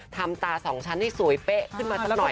ทำตาสองชั้นให้สวยเป๊ะขึ้นมาสักหน่อย